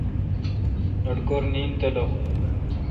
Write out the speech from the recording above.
لٹکور نیند تیلو۔